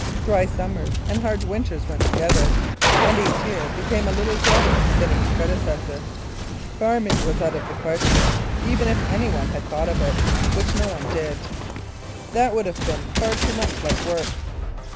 Dry summers and hard winters went together, and each year became a little drier than its predecessor. Farming was out of the question, even if anyone had thought of it, which no one did. That would have been far too much like work.